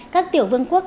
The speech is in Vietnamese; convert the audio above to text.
các tiểu vương quốc